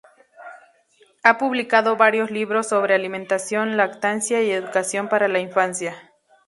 Ha publicado varios libros sobre alimentación, lactancia y educación para la infancia.